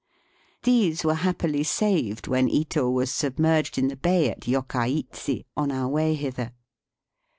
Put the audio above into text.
These were happily saved when Ito was submerged in the bay at Yokkaichi on our way hither.